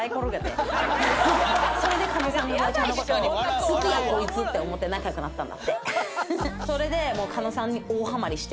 それで加納さんがフワちゃんの事を「好きやこいつ」って思って仲良くなったんだって。